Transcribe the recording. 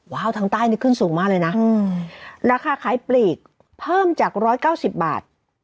ว้าวทางใต้นี่ขึ้นสูงมากเลยน่ะอืมราคาขายปลีกเพิ่มจากร้อยเก้าสิบบาท